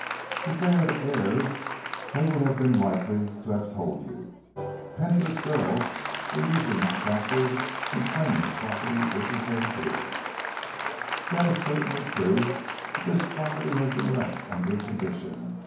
"If they are the heirs they would have been likely to have told you. Penniless young girls are not usually backward in claiming property which is their due." "That is certainly true, but this property has been left under a condition.